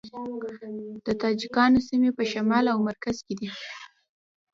د تاجکانو سیمې په شمال او مرکز کې دي